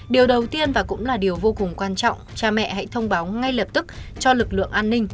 điều đầu tiên và cũng là điều vô cùng quan trọng cha mẹ hãy thông báo ngay lập tức cho lực lượng an ninh